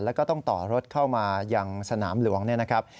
แล้วก็ต้องต่อรถเข้ามายังสนามหลวงเนี่ยนะครับ